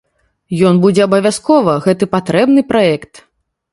Ён будзе абавязкова, гэта патрэбны праект.